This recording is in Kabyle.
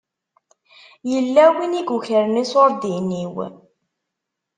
Yella win i yukren iṣuṛdiyen-iw.